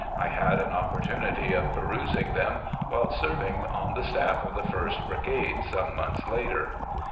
I had an opportunity of perusing them whilst serving on the staff of the 1st Brigade some months later.